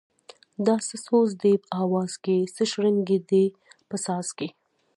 دا څه سوز یې دی اواز کی څه شرنگی یې دی په ساز کی